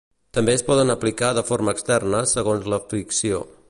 També es poden aplicar de forma externa segons l'aflicció.